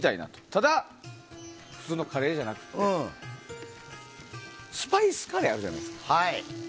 ただ、普通のカレーじゃなくてスパイスカレーあるじゃないですか。